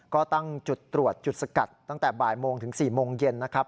ก็ตั้งจุดตรวจจุดสกัดตั้งแต่บ่ายโมงถึง๔โมงเย็นนะครับ